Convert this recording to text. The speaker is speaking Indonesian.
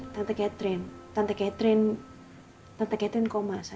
tante michi tante ketri tante ketri tante ketri koma sayang